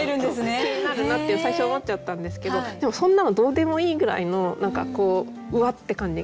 気になるなって最初思っちゃったんですけどでもそんなのどうでもいいぐらいの何かこううわって感じが。